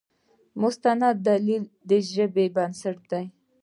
مستند دلیل د ژبې بنسټ دی.